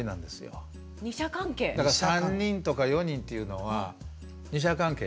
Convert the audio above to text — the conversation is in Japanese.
だから３人とか４人っていうのは二者関係ね。